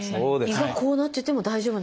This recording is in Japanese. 胃がこうなってても大丈夫なんですね。